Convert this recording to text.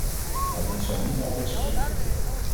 Maar dit zal niet altijd zo zijn.